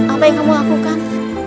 apa yang kamu lakukan